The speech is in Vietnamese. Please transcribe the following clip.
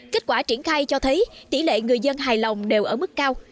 kết quả triển khai cho thấy tỷ lệ người dân hài lòng đều ở mức cao